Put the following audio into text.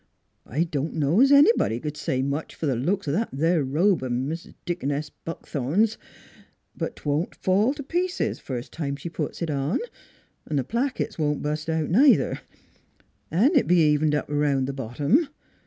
" I don' know es anybody c'd say much fer th' looks o' that there robe of Mis' Deaconess Buckthorn's; but 't won't fall t' pieces first time she puts it on; 'n' th' plackets won't bust out, neither, 'n' it's be'n evened up 'round th' bottom.